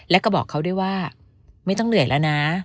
แล้วก็บอกเขาด้วยว่าไม่ต้องเหนื่อยแล้วนะ